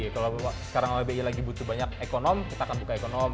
kalau sekarang bi lagi butuh banyak ekonom kita akan buka ekonomi